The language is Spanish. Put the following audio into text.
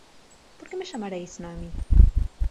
¿Por qué me llamaréis Noemi?